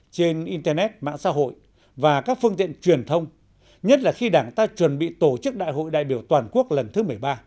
trên internet mạng xã hội và các phương tiện truyền thông nhất là khi đảng ta chuẩn bị tổ chức đại hội đại biểu toàn quốc lần thứ một mươi ba